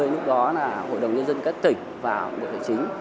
lúc đó là hội đồng nhân dân các tỉnh và bộ hành chính